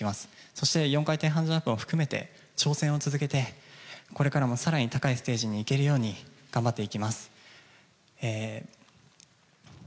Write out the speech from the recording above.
そして４回転半ジャンプを含めて、挑戦を続けて、これからもさらに高いステージに行けるように頑張っていきます。